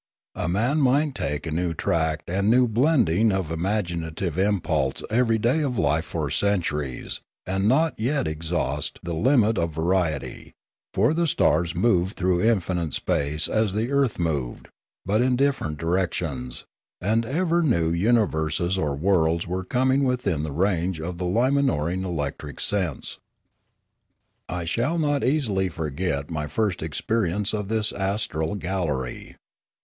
A man might take a new tract and new blending of im aginative impulse every day of life for centuries and yet not exhaust the limit of variety; for the stars moved through infinite space as the earth moved, but in different directions, and ever new universes or worlds were coming within the range of the Limauoran electric sense. 10 146 Limanora I shall not easily forget my first experience of this astral gallery.